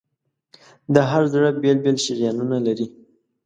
د هر زړه بېل بېل شریانونه لري.